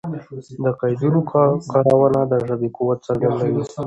د قیدونو کارونه د ژبي قوت څرګندوي.